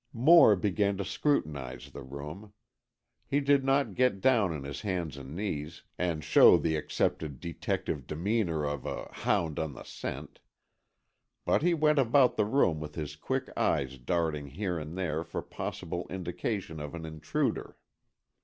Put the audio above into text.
Moore began to scrutinize the room. He did not get down on his hands and knees, and show the accepted detective demeanour of "a hound on the scent." But he went about the room with his quick eyes darting here and there for possible indication of an intruder.